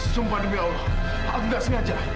sumpah demi allah aku gak sengaja